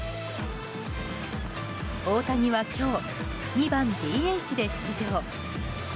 大谷は今日、２番ＤＨで出場。